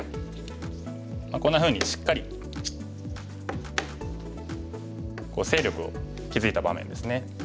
こんなふうにしっかり勢力を築いた場面ですね。